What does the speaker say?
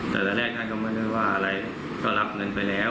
ตอนแรกท่านก็ไม่ได้ว่าอะไรก็รับเงินไปแล้ว